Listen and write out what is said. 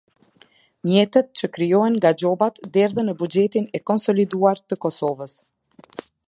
Mjetet që krijohen nga gjobat derdhen në Buxhetin e Konsoliduar të Kosovës.